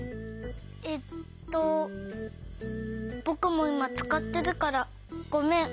えっとぼくもいまつかってるからごめん。